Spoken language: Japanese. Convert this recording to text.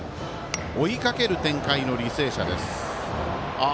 追いかける展開の履正社。